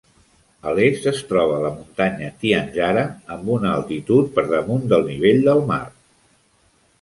A l'est es troba la muntanya Tianjara amb una altitud per damunt del nivell del mar.